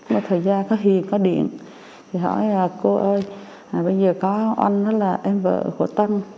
một thời gian có hiền có điện thì hỏi là cô ơi bây giờ có oanh là em vợ của tân